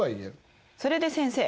それで先生。